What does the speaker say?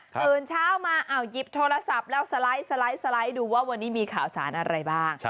ตื่นเช้ามาหยิบโทรศัพท์แล้วสไลด์ดูว่าวันนี้มีข่าวสารอะไรบ้าง